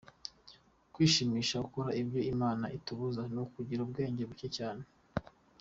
Kwishimisha ukora ibyo imana itubuza, ni ukugira ubwenge buke cyane.